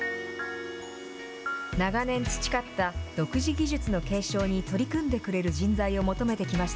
長年培った独自技術の継承に取り組んでくれる人材を求めてきまし